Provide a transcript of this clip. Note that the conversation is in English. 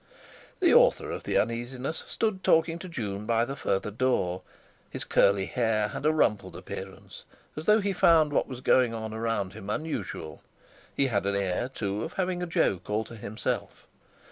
The author of the uneasiness stood talking to June by the further door; his curly hair had a rumpled appearance, as though he found what was going on around him unusual. He had an air, too, of having a joke all to himself.